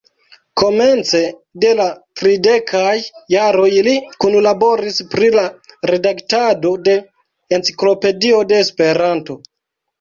Komence de la tridekaj jaroj li kunlaboris pri la redaktado de Enciklopedio de Esperanto.